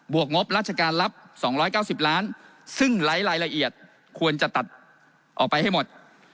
วงบราชการรับ๒๙๐ล้านซึ่งไร้รายละเอียดควรจะตัดออกไปให้หมด